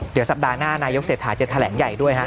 เดี๋ยวสัปดาห์หน้านายกเศรษฐาจะแถลงใหญ่ด้วยฮะ